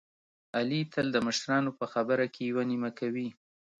علي تل د مشرانو په خبره کې یوه نیمه کوي.